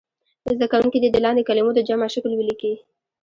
زده کوونکي دې د لاندې کلمو د جمع شکل ولیکي.